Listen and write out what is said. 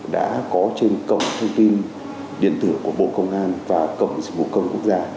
đã có trên cộng thông tin điện tửa của bộ công an và cộng dịch vụ công quốc gia